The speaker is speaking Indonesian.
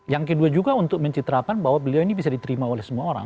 yang kedua juga untuk mencitrakan bahwa beliau ini bisa diterima oleh semua orang